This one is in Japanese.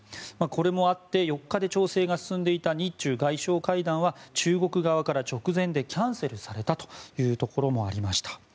これもあって４日で調整が進んでいた日中外相会談は、中国側から直前でキャンセルされたというところもありました。